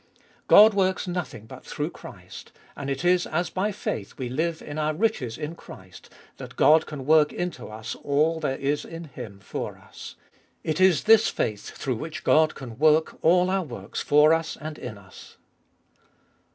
God works nothing but through Christ, and it is as by faith we live in our riches in Christ that God can work into us all there is in Him for us. It is this faith through which God can work all our works for us and in us.